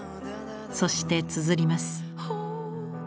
そしてつづります。